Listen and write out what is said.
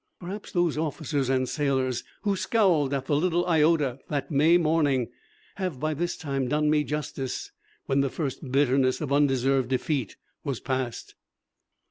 Perhaps those officers and sailors who scowled at the little Iota that May morning have by this time done me justice when the first bitterness of undeserved defeat was passed.